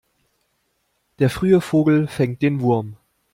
Der frühe Vogel fängt den Wurm.